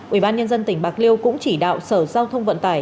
ủy ban nhân dân tỉnh bạc liêu cũng chỉ đạo sở giao thông vận tải